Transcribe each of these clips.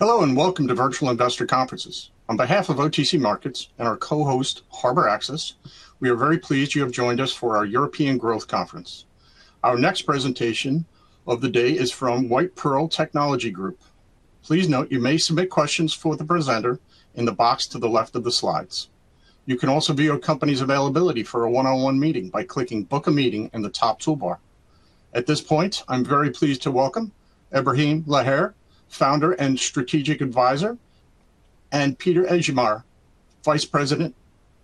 Hello and welcome to Virtual Investor Conferences. On behalf of OTC Markets and our co-host, Harbor Access, we are very pleased you have joined us for our European Growth Conference. Our next presentation of the day is from White Pearl Technology Group. Please note you may submit questions for the presenter in the box to the left of the slides. You can also view a company's availability for a one-on-one meeting by clicking "Book a Meeting" in the top toolbar. At this point, I'm very pleased to welcome Ebrahim Laher, Founder and Strategic Advisor, and Peter Ejemyr, Vice President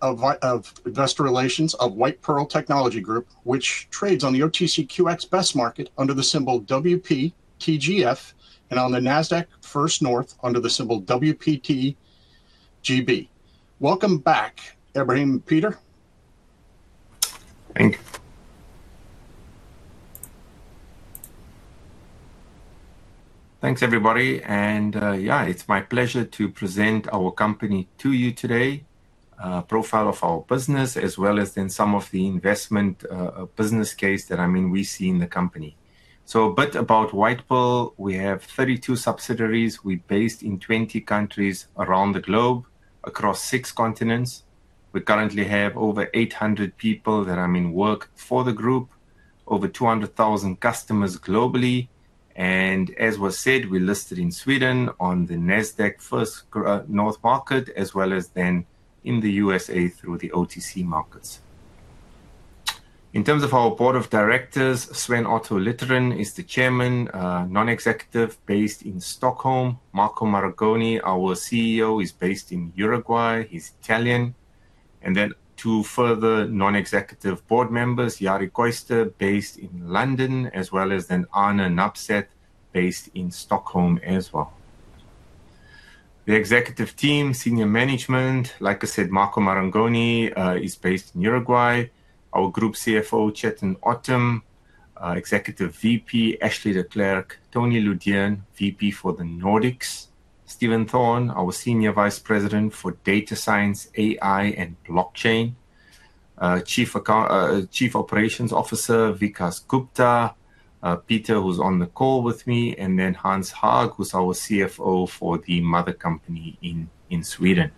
of Investor Relations of White Pearl Technology Group, which trades on the OTCQX Best Market under the symbol WPTGF and on the Nasdaq First North under the symbol WPTGB. Welcome back, Ebrahim, Peter. Thanks. Thanks, everybody. It's my pleasure to present our company to you today, a profile of our business, as well as some of the investment business case that we see in the company. A bit about White Pearl. We have 32 subsidiaries. We're based in 20 countries around the globe, across six continents. We currently have over 800 people that work for the group, over 200,000 customers globally. As was said, we're listed in Sweden on the Nasdaq First North market, as well as in the U.S.A. through the OTC markets. In terms of our Board of Directors, Sven Otto Littorin is the Chairman, non-executive, based in Stockholm. Marco Marangoni, our CEO, is based in Uruguay. He's Italian. Two further non-executive board members, Jari Koister, based in London, as well as Arne Nabseth, based in Stockholm as well. The executive team, senior management, like I said, Marco Marangoni is based in Uruguay. Our Group CFO, Chetan Ottam, Executive VP, Ashley De Klerk, Tony Lydén, VP for the Nordics. Stephen Thorne, our Senior Vice President for Data Science, AI, and Blockchain. Chief Operations Officer, Vikas Gupta, Peter, who's on the call with me, and Hans Häag, who's our CFO for the mother company in Sweden.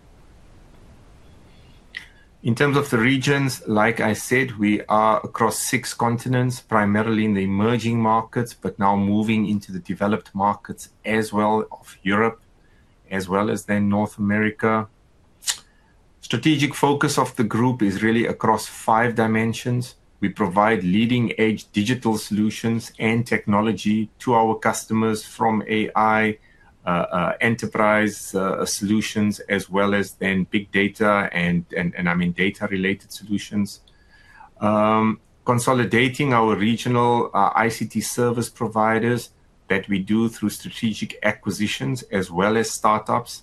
In terms of the regions, like I said, we are across six continents, primarily in the emerging markets, but now moving into the developed markets as well of Europe, as well as North America. Strategic focus of the group is really across five dimensions. We provide leading-edge digital solutions and technology to our customers from AI enterprise solutions, as well as big data and data-related solutions. Consolidating our regional ICT service providers that we do through strategic acquisitions, as well as startups.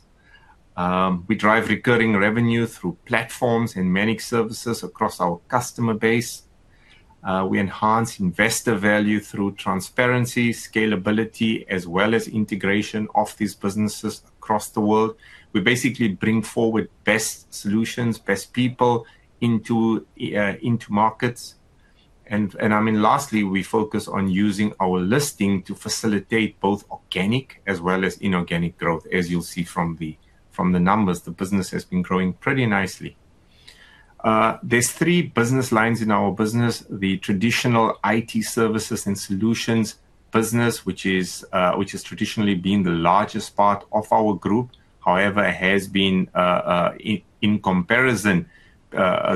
We drive recurring revenue through platforms and managed services across our customer base. We enhance investor value through transparency, scalability, as well as integration of these businesses across the world. We basically bring forward best solutions, best people into markets. Lastly, we focus on using our listing to facilitate both organic as well as inorganic growth. As you'll see from the numbers, the business has been growing pretty nicely. There's three business lines in our business: the traditional IT services and solutions business, which has traditionally been the largest part of our group. However, it has been, in comparison,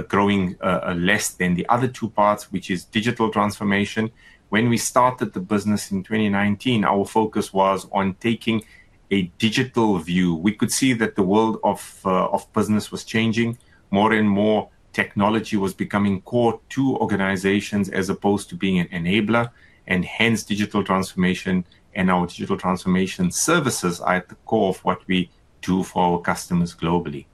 growing less than the other two parts, which is digital transformation. When we started the business in 2019, our focus was on taking a digital view. We could see that the world of business was changing. More and more, technology was becoming core to organizations as opposed to being an enabler. Hence, digital transformation and our digital transformation services are at the core of what we do for our customers globally.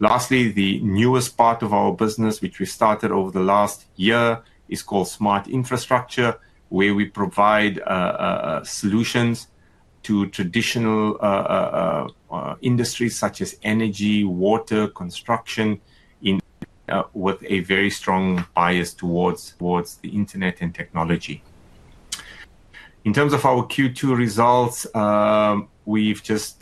Lastly, the newest part of our business, which we started over the last year, is called Smart Infrastructure, where we provide solutions to traditional industries such as energy, water, construction, with a very strong bias towards the internet and technology. In terms of our Q2 results, we've just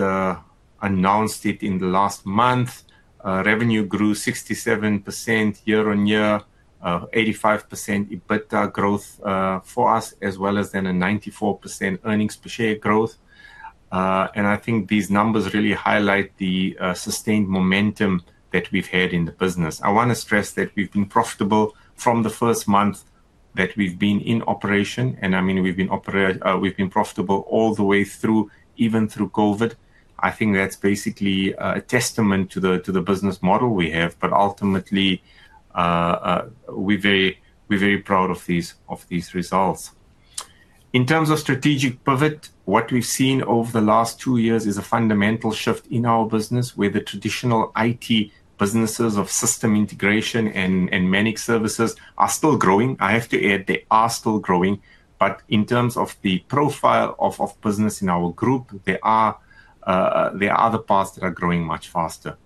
announced it in the last month. Revenue grew 67% year on year, 85% EBITDA growth for us, as well as then a 94% earnings per share growth. I think these numbers really highlight the sustained momentum that we've had in the business. I want to stress that we've been profitable from the first month that we've been in operation. I mean, we've been profitable all the way through, even through COVID. I think that's basically a testament to the business model we have. Ultimately, we're very proud of these results. In terms of strategic pivot: what we've seen over the last two years is a fundamental shift in our business, where the traditional IT businesses of system integration and managed services are still growing. I have to add, they are still growing. In terms of the profile of business in our group, there are the parts that are growing much faster.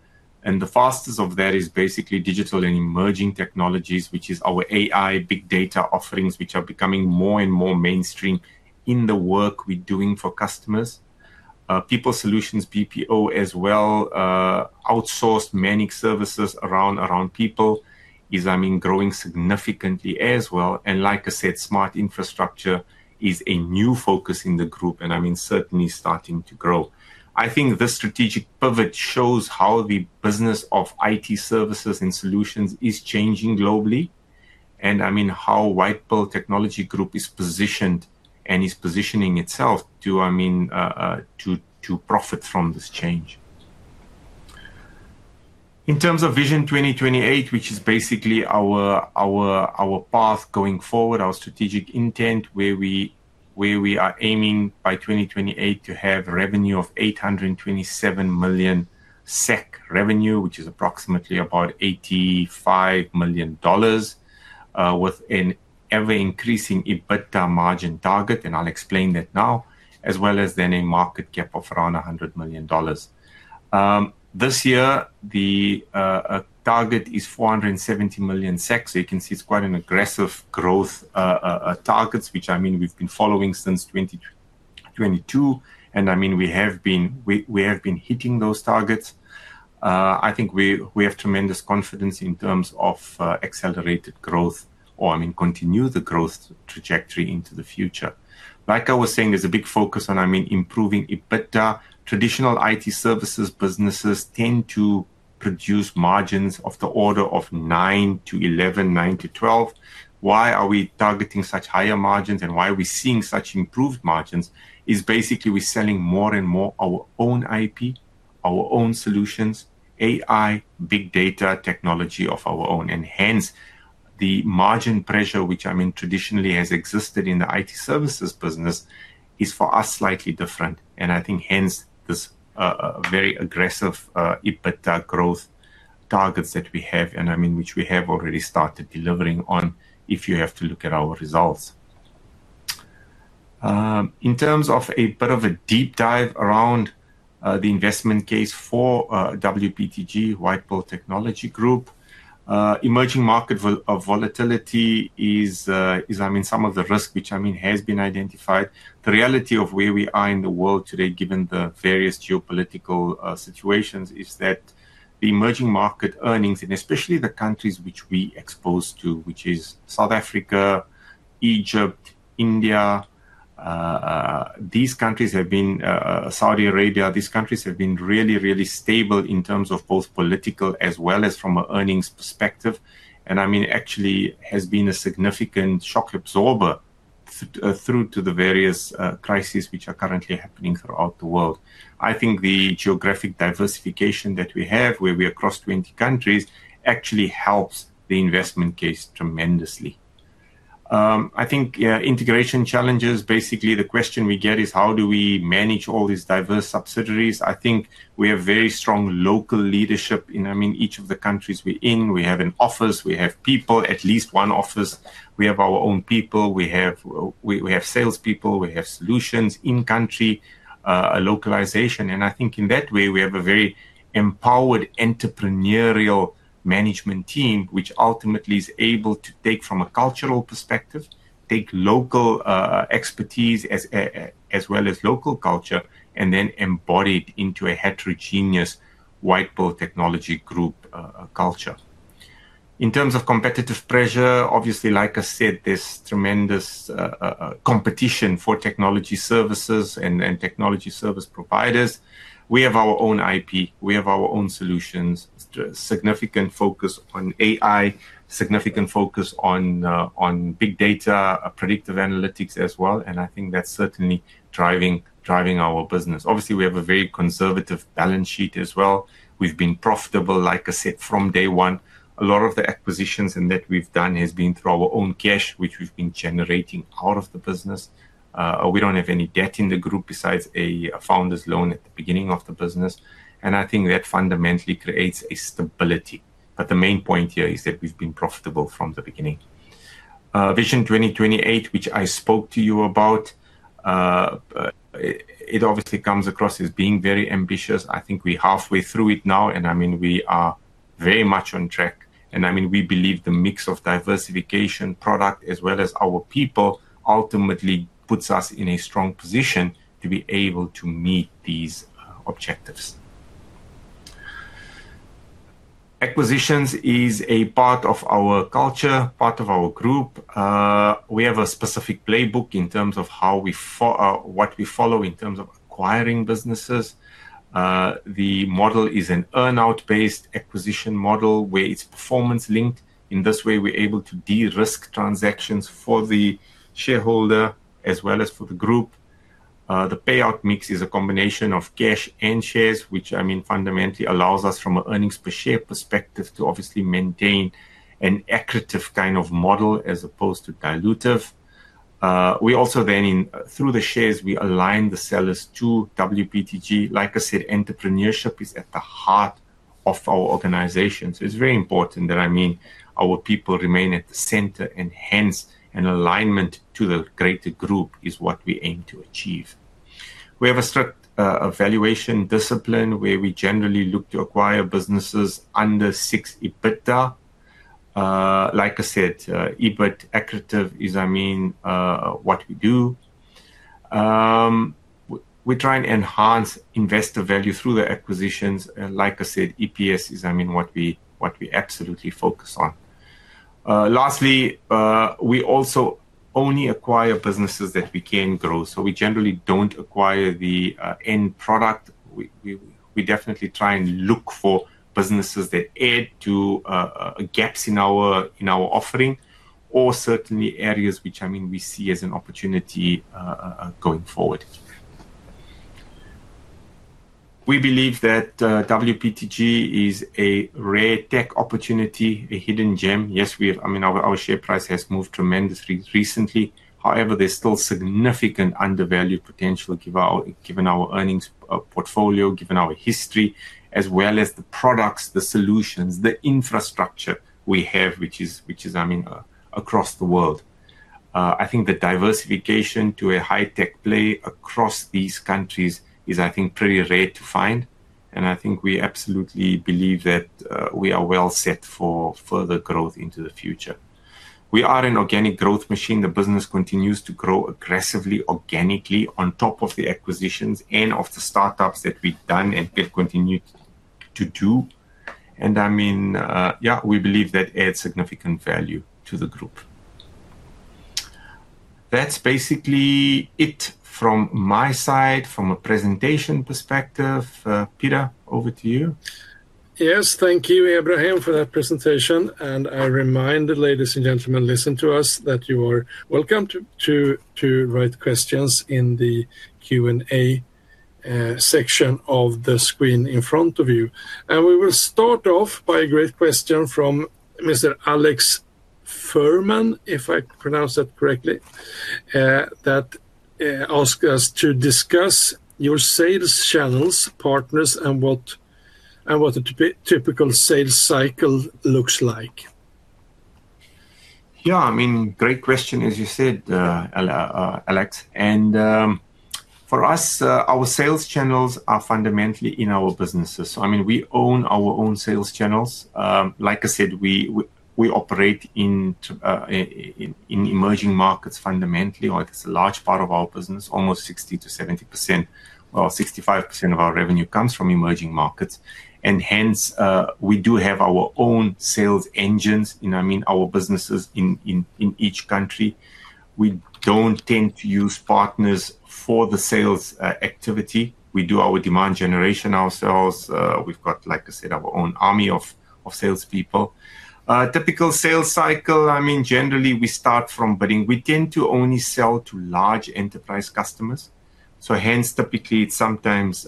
The fastest of that is basically digital and emerging technologies, which is our AI, big data offerings, which are becoming more and more mainstream in the work we're doing for customers. People Solutions, BPO, as well, outsourced managed services around people, is growing significantly as well. Like I said, Smart Infrastructure is a new focus in the group and certainly starting to grow. I think this strategic pivot shows how the business of IT services and solutions is changing globally and how White Pearl Technology Group is positioned and is positioning itself to profit from this change. In terms of Vision 2028, which is basically our path going forward, our strategic intent, where we are aiming by 2028 to have a revenue of 827 million SEK, which is approximately about $85 million, with an ever-increasing EBITDA margin target. I'll explain that now, as well as then a market cap of around $100 million. This year, the target is 470 million. You can see it's quite an aggressive growth target, which we've been following since 2022. We have been hitting those targets. I think we have tremendous confidence in terms of accelerated growth or continue the growth trajectory into the future. Like I was saying, there's a big focus on improving EBITDA. Traditional IT services businesses tend to produce margins of the order of 9%-11%, 9%-12%. Why are we targeting such higher margins and why are we seeing such improved margins? It's basically we're selling more and more our own IP, our own solutions, AI, big data technology of our own. Hence, the margin pressure, which traditionally has existed in the IT services business, is for us slightly different. I think hence this very aggressive EBITDA growth targets that we have, which we have already started delivering on if you have to look at our results. In terms of a bit of a deep dive around the investment case for WPTG, White Pearl Technology Group, emerging market volatility is some of the risk which has been identified. The reality of where we are in the world today, given the various geopolitical situations, is that the emerging market earnings, and especially the countries which we expose to, which are South Africa, Egypt, India, these countries have been, Saudi Arabia, these countries have been really, really stable in terms of both political as well as from an earnings perspective. It actually has been a significant shock absorber through to the various crises which are currently happening throughout the world. I think the geographic diversification that we have, where we are across 20 countries, actually helps the investment case tremendously. I think integration challenges, basically the question we get is how do we manage all these diverse subsidiaries? I think we have very strong local leadership in each of the countries we're in. We have an office, we have people, at least one office. We have our own people, we have salespeople, we have solutions in-country localization. I think in that way, we have a very empowered entrepreneurial management team, which ultimately is able to take from a cultural perspective, take local expertise as well as local culture, and then embody it into a heterogeneous White Pearl Technology Group culture. In terms of competitive pressure, obviously, like I said, there's tremendous competition for technology services and technology service providers. We have our own IP, we have our own solutions, significant focus on AI, significant focus on big data, predictive analytics as well. I think that's certainly driving our business. Obviously, we have a very conservative balance sheet as well. We've been profitable, like I said, from day one. A lot of the acquisitions that we've done have been through our own cash, which we've been generating out of the business. We don't have any debt in the group besides a founder's loan at the beginning of the business. I think that fundamentally creates a stability. The main point here is that we've been profitable from the beginning. Vision 2028, which I spoke to you about, obviously comes across as being very ambitious. I think we're halfway through it now, and I mean we are very much on track. I mean we believe the mix of diversification product as well as our people ultimately puts us in a strong position to be able to meet these objectives. Acquisitions is a part of our culture, part of our group. We have a specific playbook in terms of what we follow in terms of acquiring businesses. The model is an earnout-based acquisition model where it's performance linked. In this way, we're able to de-risk transactions for the shareholder as well as for the group. The payout mix is a combination of cash and shares, which I mean fundamentally allows us from an earnings per share perspective to obviously maintain an accurate kind of model as opposed to dilutive. We also then, through the shares, align the sellers to WPTG. Like I said, entrepreneurship is at the heart of our organization. It's very important that our people remain at the center, and hence an alignment to the greater group is what we aim to achieve. We have a strict valuation discipline where we generally look to acquire businesses under 6x EBITDA. Like I said, EBIT accurate is what we do. We try and enhance investor value through the acquisitions. Like I said, EPS is what we absolutely focus on. Lastly, we also only acquire businesses that we can grow. We generally don't acquire the end product. We definitely try and look for businesses that add to gaps in our offering or certainly areas which we see as an opportunity going forward. We believe that WPTG is a rare tech opportunity, a hidden gem. Yes, our share price has moved tremendously recently. However, there's still significant undervalued potential given our earnings portfolio, given our history, as well as the products, the solutions, the infrastructure we have, which is across the world. I think the diversification to a high-tech play across these countries is pretty rare to find. I think we absolutely believe that we are well set for further growth into the future. We are an organic growth machine. The business continues to grow aggressively, organically on top of the acquisitions and of the startups that we've done and continue to do. We believe that adds significant value to the group. That's basically it from my side, from a presentation perspective. Peter, over to you. Yes, thank you, Ebrahim, for that presentation. I remind the ladies and gentlemen listening to us that you are welcome to write questions in the Q&A section of the screen in front of you. We will start off by a great question from Mr. Alex Fuhrman, if I pronounced that correctly, that asks us to discuss your sales channels, partners, and what a typical sales cycle looks like. Yeah, I mean, great question, as you said, Alex. For us, our sales channels are fundamentally in our businesses. I mean, we own our own sales channels. Like I said, we operate in emerging markets fundamentally, like it's a large part of our business, almost 60%-70%, well, 65% of our revenue comes from emerging markets. Hence, we do have our own sales engines in our businesses in each country. We don't tend to use partners for the sales activity. We do our demand generation ourselves. We've got, like I said, our own army of salespeople. Typical sales cycle, I mean, generally we start from bidding. We tend to only sell to large enterprise customers. Typically, it's sometimes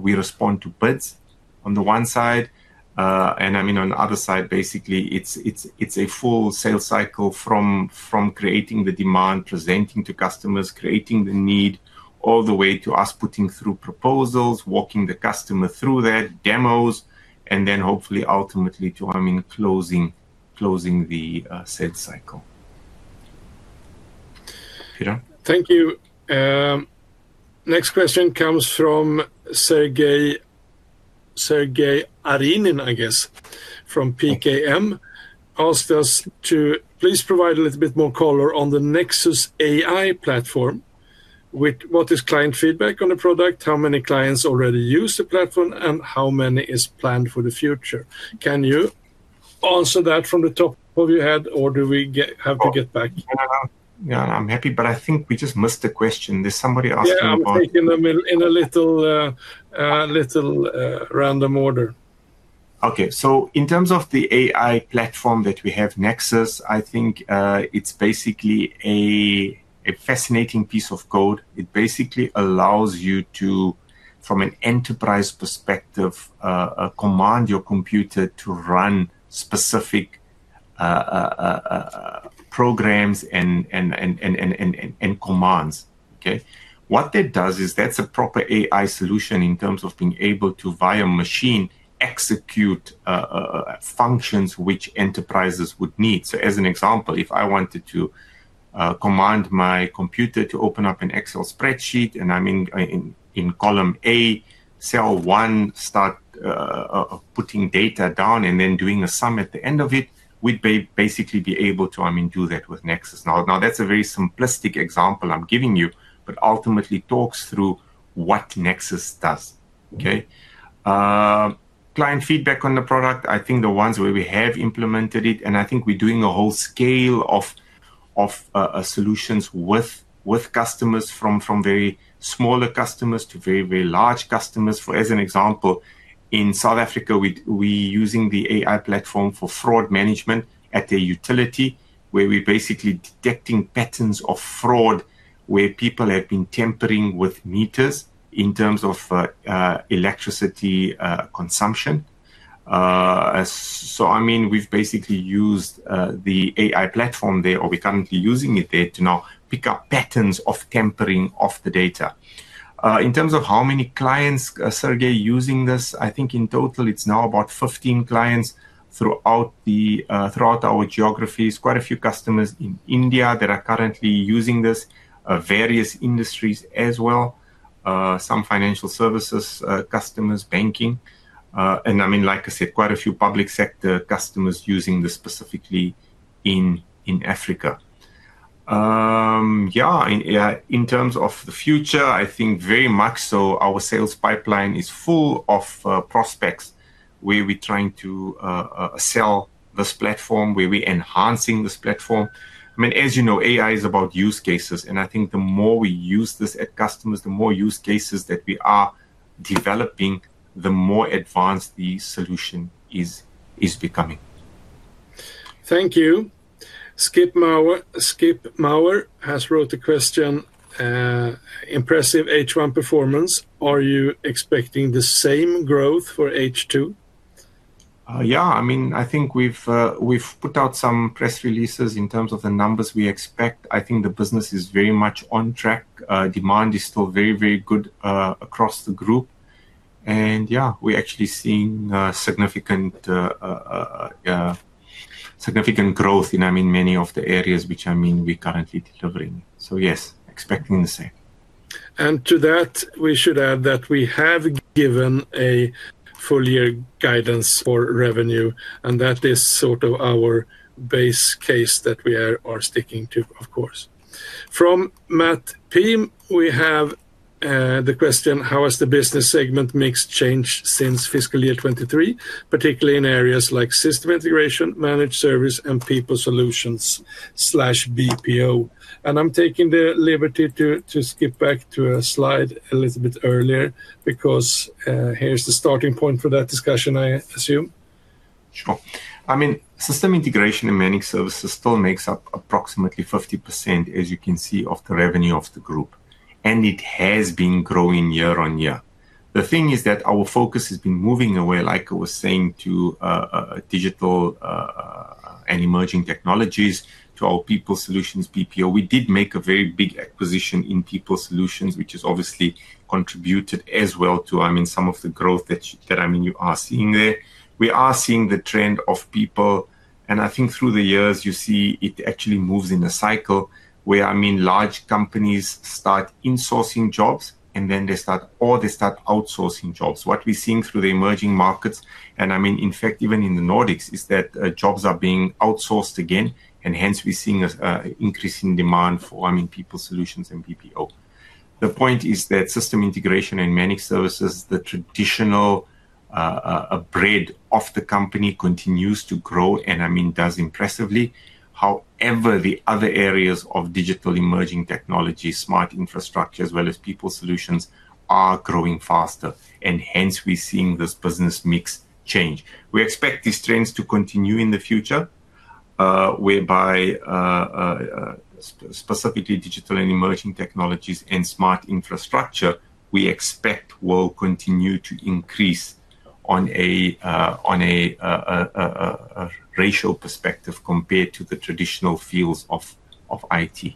we respond to bids on the one side. On the other side, basically, it's a full sales cycle from creating the demand, presenting to customers, creating the need, all the way to us putting through proposals, walking the customer through that, demos, and then hopefully ultimately to, I mean, closing the sales cycle. Thank you. Next question comes from Sergey Arinin, I guess, from PKM, asks us to please provide a little bit more color on the Nexus AI platform. What is client feedback on the product? How many clients already use the platform and how many is planned for the future? Can you answer that from the top of your head or do we have to get back? I'm happy, but I think we just missed the question. There's somebody asking about... I'll take it in a little random order. Okay, so in terms of the AI platform that we have, Nexus, I think it's basically a fascinating piece of code. It basically allows you to, from an enterprise perspective, command your computer to run specific programs and commands. What that does is that's a proper AI solution in terms of being able to, via a machine, execute functions which enterprises would need. As an example, if I wanted to command my computer to open up an Excel spreadsheet and I'm in column A, cell one, start putting data down and then doing a sum at the end of it, we'd basically be able to do that with Nexus. Now, that's a very simplistic example I'm giving you, but ultimately talks through what Nexus does. Client feedback on the product, I think the ones where we have implemented it, and I think we're doing a whole scale of solutions with customers from very smaller customers to very, very large customers. For example, in South Africa, we're using the AI platform for fraud management at a utility where we're basically detecting patterns of fraud where people have been tampering with meters in terms of electricity consumption. We've basically used the AI platform there, or we're currently using it there, to now pick up patterns of tampering of the data. In terms of how many clients are using this, I think in total it's now about 15 clients throughout our geographies. Quite a few customers in India that are currently using this, various industries as well, some financial services customers, banking, and quite a few public sector customers using this specifically in Africa. In terms of the future, I think very much so, our sales pipeline is full of prospects where we're trying to sell this platform, where we're enhancing this platform. As you know, AI is about use cases, and I think the more we use this at customers, the more use cases that we are developing, the more advanced the solution is becoming. Thank you. Skip Mauer has wrote a question. Impressive H1 performance. Are you expecting the same growth for H2? Yeah, I mean, I think we've put out some press releases in terms of the numbers we expect. I think the business is very much on track. Demand is still very, very good across the group. Yeah, we're actually seeing significant growth in many of the areas which I mean we're currently delivering. Yes, expecting the same. To that, we should add that we have given a full-year guidance for revenue, and that is sort of our base case that we are sticking to, of course. From Matt Peam, we have the question, how has the business segment mix changed since fiscal year 2023, particularly in areas like System Integration, Managed Services, and People Solutions/BPO? I'm taking the liberty to skip back to a slide a little bit earlier because here's the starting point for that discussion, I assume. Sure. I mean, System Integration and Managed Services still makes up approximately 50% of the revenue of the group, as you can see, and it has been growing year on year. The thing is that our focus has been moving away, like I was saying, to Digital & Emerging Technologies, to our People Solutions BPO. We did make a very big acquisition in People Solutions, which has obviously contributed as well to some of the growth that you are seeing there. We are seeing the trend of people. I think through the years, you see it actually moves in a cycle where, I mean, large companies start insourcing jobs, and then they start, or they start outsourcing jobs. What we're seeing through the emerging markets, and in fact, even in the Nordics, is that jobs are being outsourced again. Hence, we're seeing an increase in demand for People Solutions and BPO. The point is that System Integration and Managed Services, the traditional breadth of the company, continues to grow and does impressively. However, the other areas of Digital & Emerging Technologies, Smart Infrastructure, as well as People Solutions, are growing faster. Hence, we're seeing this business mix change. We expect these trends to continue in the future, whereby specifically Digital & Emerging Technologies and Smart Infrastructure, we expect will continue to increase on a ratio perspective compared to the traditional fields of IT.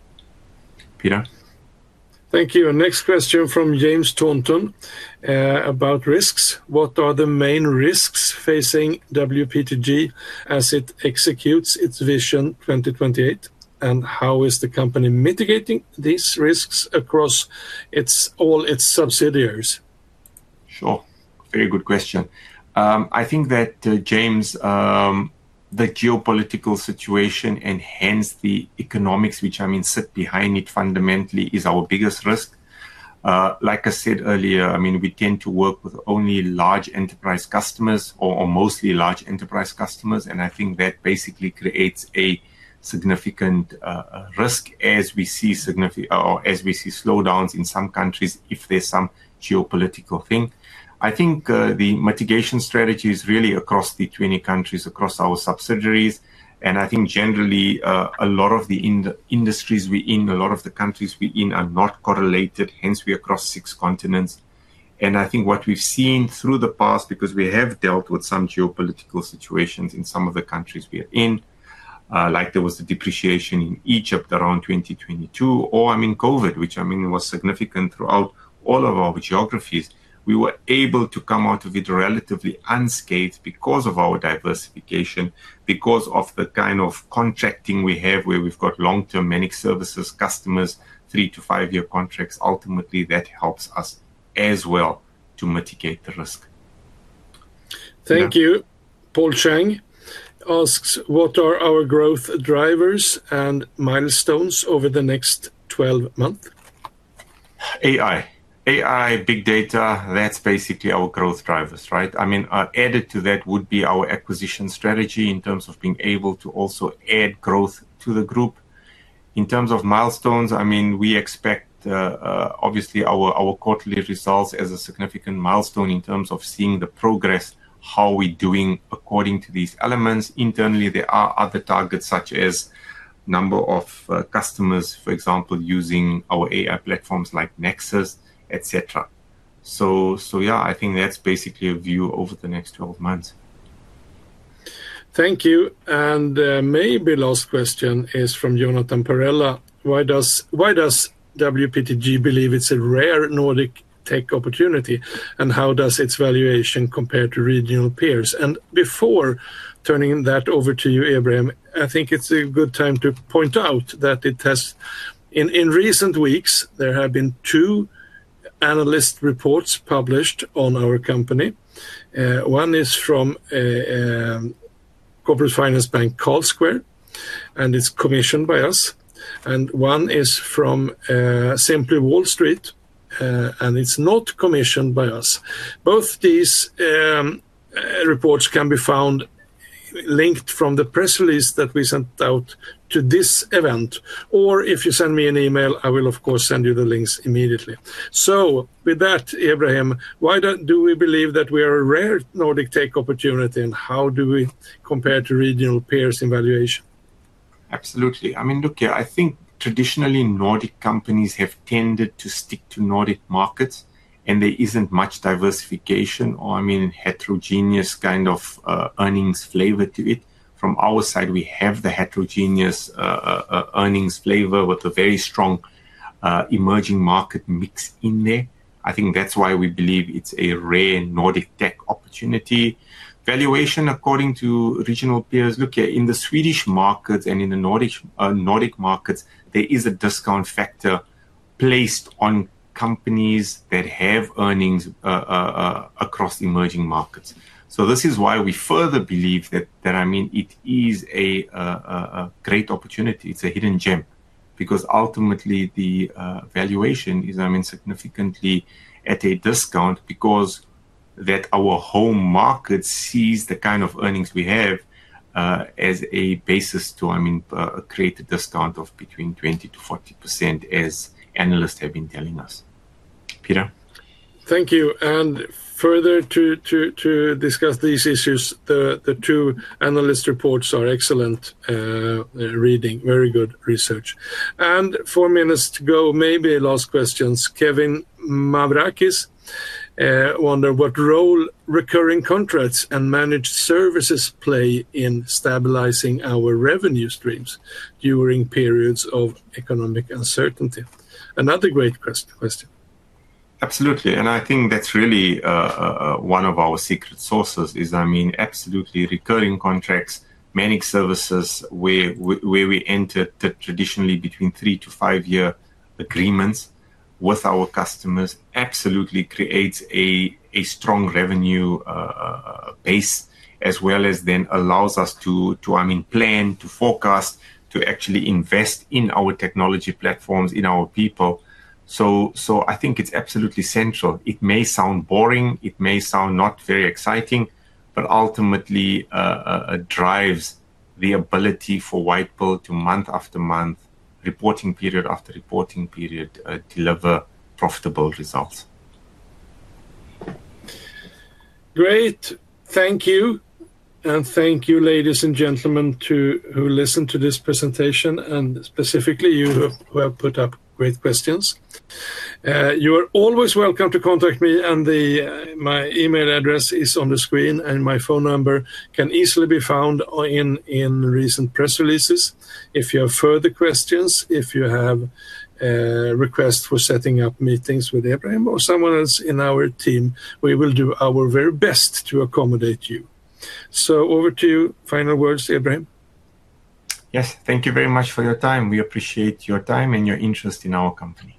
Thank you. Next question from James Thornton about risks. What are the main risks facing WPTG as it executes its Vision 2028? How is the company mitigating these risks across all its subsidiaries? Sure. Very good question. I think that, James, the geopolitical situation and hence the economics, which I mean sit behind it fundamentally, is our biggest risk. Like I said earlier, I mean, we tend to work with only large enterprise customers or mostly large enterprise customers. I think that basically creates a significant risk as we see slowdowns in some countries if there's some geopolitical thing. The mitigation strategy is really across the 20 countries, across our subsidiaries. I think generally, a lot of the industries we're in, a lot of the countries we're in are not correlated. Hence, we're across six continents. I think what we've seen through the past, because we have dealt with some geopolitical situations in some of the countries we are in, like there was a depreciation in Egypt around 2022, or I mean COVID, which I mean was significant throughout all of our geographies, we were able to come out of it relatively unscathed because of our diversification, because of the kind of contracting we have where we've got long-term managed services customers, three to five-year contracts. Ultimately, that helps us as well to mitigate the risk. Thank you. Paul Cheng asks, what are our growth drivers and milestones over the next 12 months? AI, big data, that's basically our growth drivers, right? I mean, added to that would be our acquisition strategy in terms of being able to also add growth to the group. In terms of milestones, I mean, we expect obviously our quarterly results as a significant milestone in terms of seeing the progress, how we're doing according to these elements. Internally, there are other targets such as the number of customers, for example, using our AI platforms like Nexus, et cetera. I think that's basically a view over the next 12 months. Thank you. Maybe the last question is from Jonathan Parella. Why does WPTG believe it's a rare Nordic tech opportunity? How does its valuation compare to regional peers? Before turning that over to you, Ebrahim, I think it's a good time to point out that in recent weeks, there have been two analyst reports published on our company. One is from corporate finance bank Carlsquare, and it's commissioned by us. One is from Simply Wall Street, and it's not commissioned by us. Both these reports can be found linked from the press release that we sent out to this event. If you send me an email, I will, of course, send you the links immediately. With that, Ebrahim, why do we believe that we are a rare Nordic tech opportunity? How do we compare to regional peers in valuation? Absolutely. I mean, look, I think traditionally Nordic companies have tended to stick to Nordic markets, and there isn't much diversification or heterogeneous kind of earnings flavor to it. From our side, we have the heterogeneous earnings flavor with a very strong emerging market mix in there. I think that's why we believe it's a rare Nordic tech opportunity. Valuation according to regional peers, in the Swedish markets and in the Nordic markets, there is a discount factor placed on companies that have earnings across the emerging markets. This is why we further believe that it is a great opportunity. It's a hidden gem because ultimately the valuation is significantly at a discount because our home market sees the kind of earnings we have as a basis to create a discount of between 20% to 40% as analysts have been telling us. Thank you. Further to discuss these issues, the two analyst reports are excellent reading, very good research. With four minutes to go, maybe last questions. Kevin Mavrakis wonders what role recurring contracts and managed services play in stabilizing our revenue streams during periods of economic uncertainty. Another great question. Absolutely. I think that's really one of our secret sources. Absolutely, recurring contracts, managed services, where we entered the traditionally between three to five-year agreements with our customers, absolutely creates a strong revenue base as well as then allows us to plan, to forecast, to actually invest in our technology platforms, in our people. I think it's absolutely central. It may sound boring, it may sound not very exciting, but ultimately it drives the ability for White Pearl to, month after month, reporting period after reporting period, deliver profitable results. Great. Thank you. Thank you, ladies and gentlemen, who listened to this presentation and specifically you who have put up great questions. You are always welcome to contact me. My email address is on the screen, and my phone number can easily be found in recent press releases. If you have further questions or requests for setting up meetings with Ebrahim or someone else in our team, we will do our very best to accommodate you. Over to you, final words, Ebrahim. Yes, thank you very much for your time. We appreciate your time and your interest in our company.